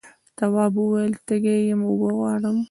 تواب وویل تږی یم اوبه غواړم.